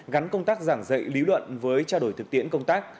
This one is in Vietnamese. gắn công tác giảng dạy lý luận với trao đổi thực tiễn công tác